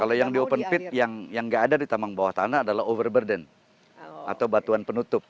kalau yang di open pit yang nggak ada di tambang bawah tanah adalah overburden atau batuan penutup